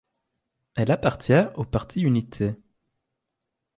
Elle appartient au parti Unité.